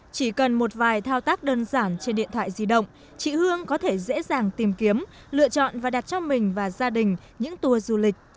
chỉ cần một vài thao tác đơn giản trên điện thoại di động chị hương có thể dễ dàng tìm kiếm lựa chọn và đặt cho mình và gia đình những tour du lịch